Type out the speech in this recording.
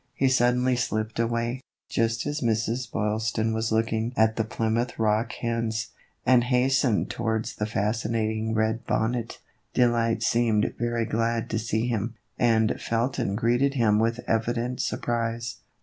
He suddenly slipped away, just as Mrs. Boylston was looking at the Plymouth Rock hens, and hastened towards the fascinating red bonnet. De light seemed very glad to see him, and Felton greeted him with evident surprise.